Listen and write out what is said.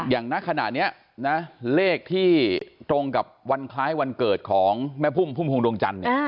ณขณะนี้นะเลขที่ตรงกับวันคล้ายวันเกิดของแม่พุ่มพุ่มพวงดวงจันทร์